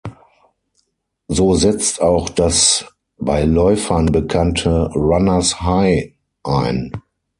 So setzt auch das bei Läufern bekannte „Runner’s High“ ein.